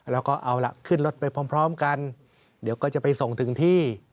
แล้วก็เอาล่ะขึ้นรถไปพร้อมกันเดี๋ยวก็จะไปส่งถึงที่